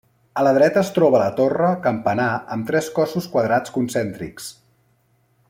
A la dreta es troba la torre campanar amb tres cossos quadrats concèntrics.